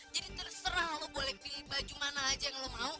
jadi terserah lo boleh pilih baju mana aja yang lo mau